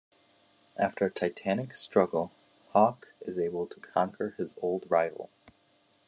After a titanic struggle, Hawk is able to conquer his old rival.